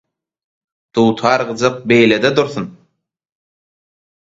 Dutar, gyjak beýlede dursun